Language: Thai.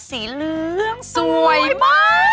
สีเหลืองสวยมาก